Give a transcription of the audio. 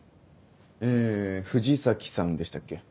え藤崎さんでしたっけ？